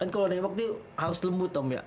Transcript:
kan kalau nembak tuh harus lembut om ya